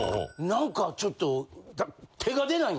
何かちょっと。